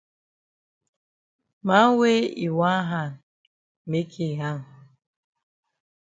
Man wey yi wan hang make yi hang.